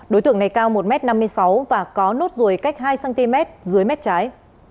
đối tượng này cao một m năm mươi sáu và có nốt ruồi cách hai cm dưới mép trái